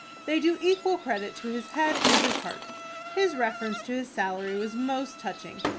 They do equal credit to his head and his heart. His reference to his salary was most touching.